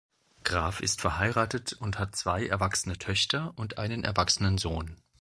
Graf ist verheiratet und hat zwei erwachsene Töchter und einen erwachsenen Sohn.